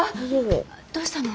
どうしたの？